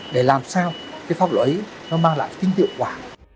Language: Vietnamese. để làm sao cái pháp luật ấy nó mang lại kinh tựu quả